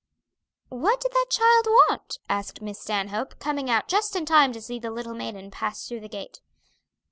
"What did that child want?" asked Miss Stanhope, coming out just in time to see the little maiden pass through the gate.